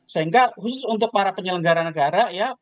sehingga khusus untuk para penyelenggara negara ya